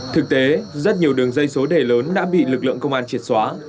thực tế rất nhiều đường dây số đề lớn đã bị lực lượng công an triệt xóa